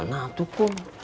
nah tuh kum